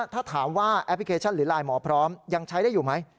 ถ้าถามว่าแอปพลิเคชันหรือไลน์หมอพร้อมยังใช้ได้อยู่ไหม